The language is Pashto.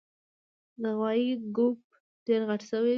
د غوایي ګوپ ډېر غټ شوی دی